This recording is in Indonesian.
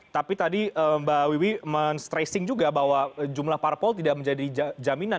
tapi tadi mbak wiwi men stressing juga bahwa jumlah parpol tidak menjadi jaminan